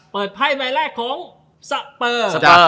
ไปภัยแบบแรกของสเปอร์